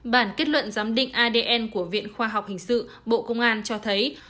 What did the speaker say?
bản kết luận giám định adn của viện khoa học hình sự bộ công an cho thấy